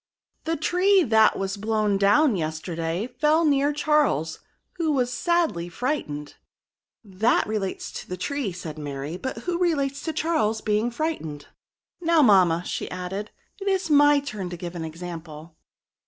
The tree that was blown down yesterday fell near Charles, who was sadly frightened." That relates to the tree," said Mary, '^ but who relates to Charles being frightened* Now, mamma,'* added she, it is my turn to give an example."